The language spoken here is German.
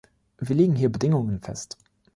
Wir legen hier Bedingungen fest.